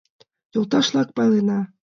Йолташ-влак, пайлена!